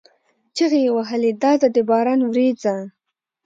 چیغې یې وهلې: دا ده د باران ورېځه!